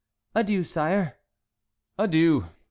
"Adieu, sire." "Adieu!